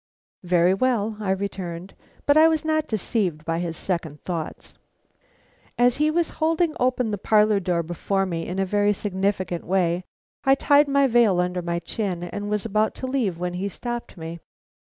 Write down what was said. "Very well," I returned. But I was not deceived by his second thoughts. As he was holding open the parlor door before me in a very significant way, I tied my veil under my chin, and was about to leave when he stopped me.